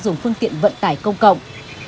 dùng phương tiện vận tải công cộng